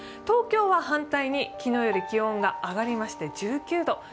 東京は反対に昨日より気温が上がりまして１９度。